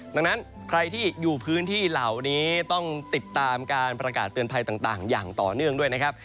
ดังนั้นใครที่อยู่พื้นที่เหล่านี้ต้องติดตามการประกาศเตือนภัยต่างอย่างต่อเนื่องด้วยนะครับ